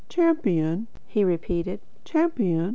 "Champion?" he repeated. "Champion?